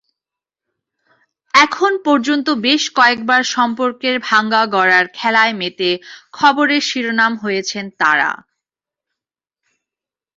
এখন পর্যন্ত বেশ কয়েকবার সম্পর্কের ভাঙা-গড়ার খেলায় মেতে খবরের শিরোনাম হয়েছেন তাঁরা।